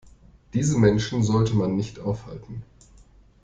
Diese Menschen sollte man nicht aufhalten.